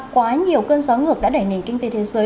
quá nhiều cơn gió ngược đã đẩy nền kinh tế thế giới